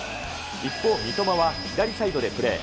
一方、三笘は左サイドでプレー。